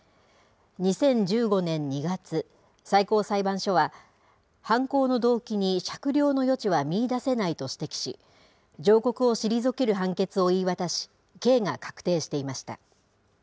２０１５年２月、最高裁判所は、犯行の動機に酌量の余地は見いだせないと指摘し、上告を退ける判決を言い渡し、刑が確定していました。